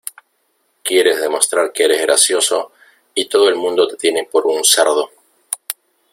Quieres demostrar que eres gracioso y todo el mundo te tiene por un cerdo.